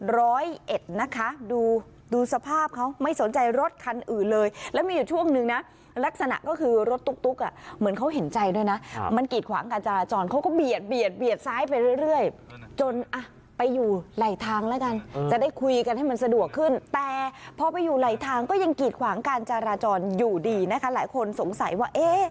ร้อยเอ็ดนะคะดูดูสภาพเขาไม่สนใจรถคันอื่นเลยแล้วมีอยู่ช่วงหนึ่งนะลักษณะก็คือรถตุ๊กอ่ะเหมือนเขาเห็นใจด้วยนะมันกีดขวางการจราจรเขาก็เบียดเบียดเบียดซ้ายไปเรื่อยจนอ่ะไปอยู่ไหลทางแล้วกันจะได้คุยกันให้มันสะดวกขึ้นแต่พอไปอยู่ไหลทางก็ยังกีดขวางการจราจรอยู่ดีนะคะหลายคนสงสัยว่าเอ๊ะ